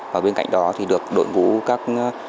và bên cạnh đó thì được đội ngũ các